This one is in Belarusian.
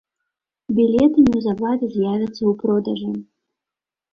Білеты неўзабаве з'явяцца ў продажы.